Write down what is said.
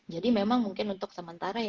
jadi memang mungkin untuk sementara